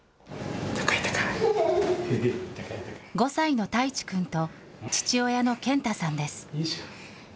５歳のたいちくんと、父親の健太さんです。